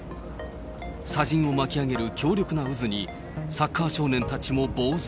砂じんを巻き上げる強力な渦に、サッカー少年たちもぼう然。